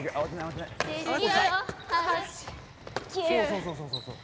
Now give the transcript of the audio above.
そうそうそうそう。